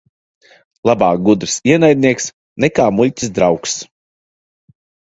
Labāk gudrs ienaidnieks nekā muļķis draugs.